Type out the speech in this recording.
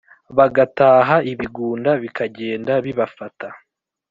Bagataha ibigunda bikagenda bibafata